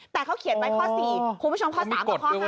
แต่เขาเขียนไว้ข้อ๔คุณผู้ชมข้อ๓กับข้อ๕